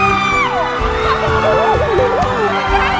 ร้องจาน